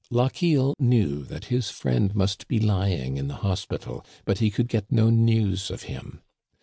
Lochiel knew that his friend must be lying in the hos^ntal, but he could get no news of him.